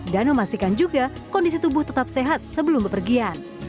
dan memastikan juga kondisi tubuh tetap sehat sebelum berpergian